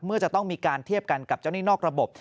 เมื่อจะต้องมีการเทียบกันกับเจ้าหนี้นอกระบบ